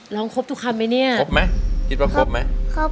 ร้องได้เห็นแม่มีสุขใจ